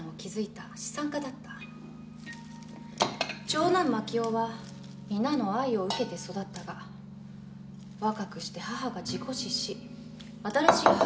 長男万亀雄は皆の愛を受けて育ったが若くして母が事故死し新しい母親が来た。